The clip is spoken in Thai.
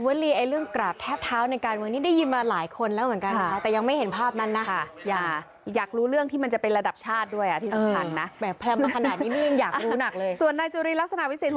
ว่าการกระทรวณงานตามที่ท่านนโยคได้มาอาจารย์ไว้